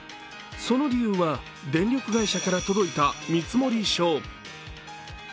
その理由は電力会社から届いた見積書。